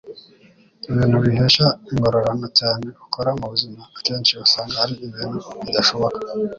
Ibintu bihesha ingororano cyane ukora mu buzima akenshi usanga ari ibintu bidashoboka.”